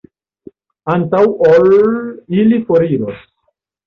Antaŭ ol ili foriros.